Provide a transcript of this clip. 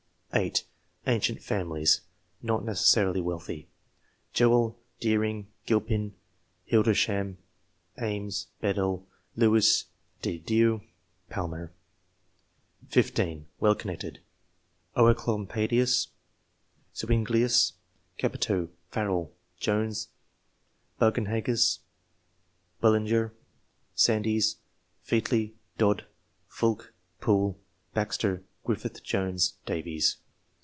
8. Ancient families (not necessarily wealthy). Jewell, Deering, Gilpin, Hildersham, Ames, Bedell, Lewis de Dieu, Palmer. 15. Well connected. (Ecolampadius, Zuinglius, Capito, Farel, Jones, Bugenhagius, Bullinger, Sandys, Featley, Dod, Fulke, Pool, Baxter, Griffith Jones, Davies.